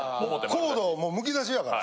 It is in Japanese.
コードむき出しやから。